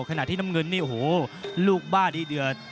ขณะที่น้ำเงินนี่โอ้โหลูกบ้าดีเดือด